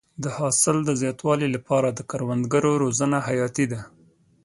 د حاصل د زیاتوالي لپاره د کروندګرو روزنه حیاتي ده.